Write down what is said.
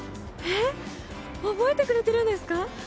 えっ？覚えてくれてるんですか？